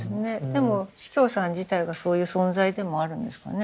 でも司教さん自体がそういう存在でもあるんですかね。